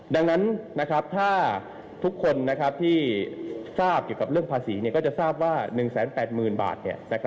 ดังนั้นถ้าทุกคนที่ทราบเรื่องภาษีก็จะทราบว่า๑แสน๘หมื่นบาท